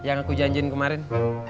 yang aku janjiin kemarin